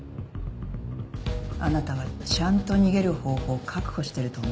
あなたはちゃんと逃げる方法を確保してると思ってた。